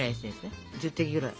１０滴ぐらい。